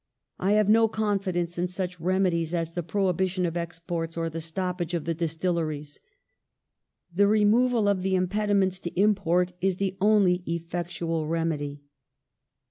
I have no confidence in such remedies as the prohibition of exports, or the stoppage of the distilleries. The removal of the impedi ments to import is the only effectual remedy."